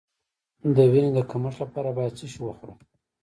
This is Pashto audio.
د وینې د کمښت لپاره باید څه شی وخورم؟